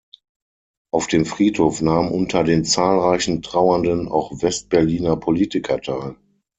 Auf dem Friedhof nahmen unter den zahlreichen Trauernden auch West-Berliner Politiker teil.